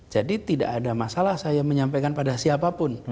jadi tidak ada masalah saya menyampaikan pada siapapun